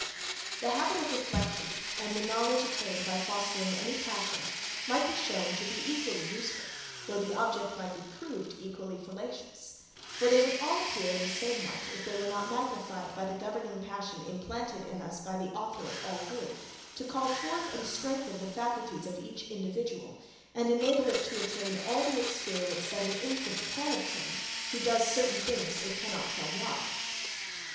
The habit of reflection, and the knowledge attained by fostering any passion, might be shown to be equally useful though the object be proved equally fallacious; for they would all appear in the same light, if they were not magnified by the governing passion implanted in us by the Author of all good, to call forth and strengthen the faculties of each individual, and enable it to attain all the experience that an infant can obtain, who does certain things, it cannot tell why.